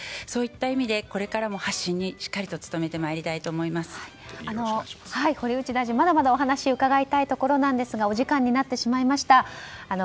そういった意味でこれからも発信にしっかりと堀内大臣、まだまだお話伺いたいところですが時間になってしまいました。